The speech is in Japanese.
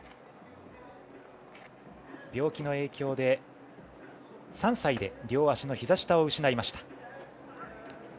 病気の影響で３歳で両足のひざ下を失いました。